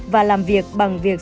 và làm việc bằng việc